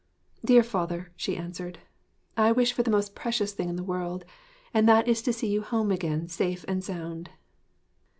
'Dear father,' she answered, 'I wish for the most precious thing in the world; and that is to see you home again safe and sound.'